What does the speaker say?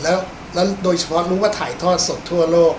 แล้วโดยเฉพาะรู้ว่าถ่ายทอดสดทั่วโลก